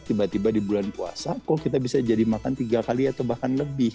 tiba tiba di bulan puasa kok kita bisa jadi makan tiga kali atau bahkan lebih